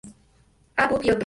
A. Buck y otros.